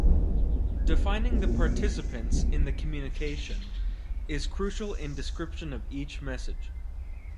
Defining the participants in the communication is crucial in description of each message.